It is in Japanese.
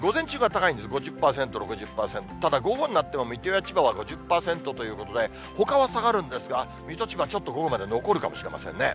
ただ午後になっても、水戸や千葉は５０％ということで、ほかは下がるんですが、水戸、千葉、ちょっと午後まで残るかもしれませんね。